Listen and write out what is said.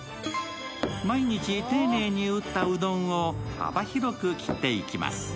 毎日丁寧に打ったうどんを幅広く切っていきます。